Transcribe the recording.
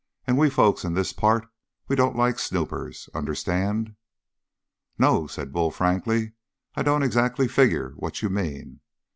"And we folks in this part, we don't like snoopers. Understand?" "No," said Bull frankly, "I don't exactly figure what you mean."